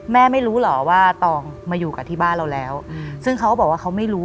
ไม่รู้เหรอว่าตองมาอยู่กับที่บ้านเราแล้วซึ่งเขาก็บอกว่าเขาไม่รู้